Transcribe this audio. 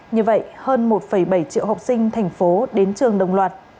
như vậy hơn một bảy triệu học sinh tp hcm đến trường đồng loạt